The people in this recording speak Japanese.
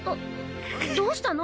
どうしたの？